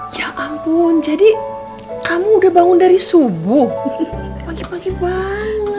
ya ampun jadi kamu udah bangun dari subuh pagi pagi wah